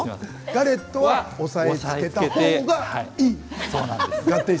ガレットは押さえつけたほうがいい。